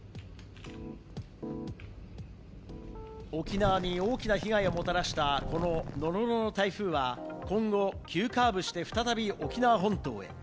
沖縄に大きな被害をもたらしたこのノロノロ台風は、今後、急カーブして再び沖縄本島へ。